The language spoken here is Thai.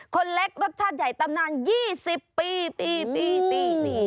คนเล็กรสชาติใหญ่ตำนาน๒๐ปีปีนี้